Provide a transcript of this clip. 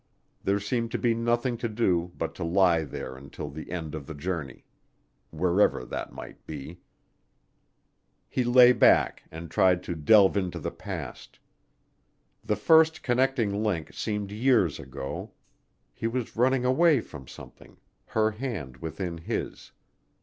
There seemed to be nothing to do but to lie there until the end of the journey, wherever that might be. He lay back and tried to delve into the past. The first connecting link seemed years ago, he was running away from something, her hand within his.